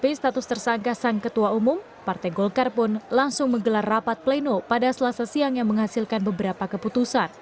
tapi status tersangka sang ketua umum partai golkar pun langsung menggelar rapat pleno pada selasa siang yang menghasilkan beberapa keputusan